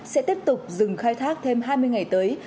sẽ tiếp tục dừng khai thác thêm hai mươi ngày tới